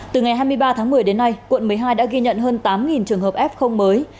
từ ngày hai mươi ba tháng một mươi đến nay quận một mươi hai đã ghi nhận hơn tám trường hợp f mới